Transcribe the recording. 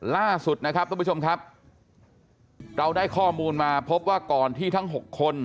ล่าสุดนะครับทุกผู้ชมครับเราได้ข้อมูลมาพบว่าก่อนที่ทั้ง๖คน